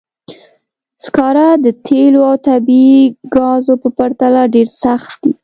سکاره د تېلو او طبیعي ګازو په پرتله ډېر سخت دي.